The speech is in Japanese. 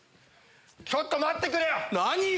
ちょっと待ってくれよ！